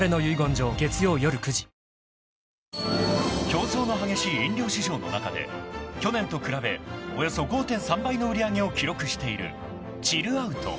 ［競争の激しい飲料市場の中で去年と比べおよそ５．３倍の売り上げを記録している「ＣＨＩＬＬＯＵＴ」］